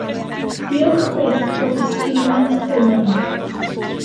Diolch byth bod yswiriant gynnon ni.